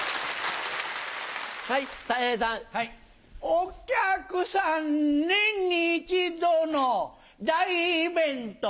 お客さん年に１度の大イベント